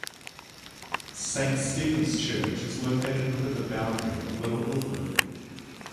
Saint Stephens Church is located within the boundary of little Ilford.